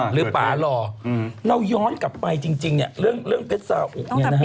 หรือป่าหล่อเราย้อนกลับไปจริงเรื่องเพชรสาอุ